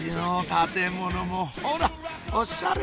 建物もほらおしゃれ